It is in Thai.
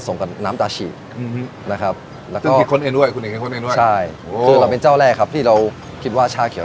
สิที่เห็นตรงนั้นเนี่ยครับตัวนี้เป็นสีเขียวเป็นซอสชาเกียว